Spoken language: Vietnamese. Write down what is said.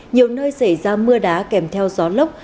nhiều nơi xảy ra mưa đá kèm theo gió lốc